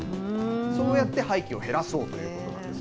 そうやって廃棄を減らそうということなんです。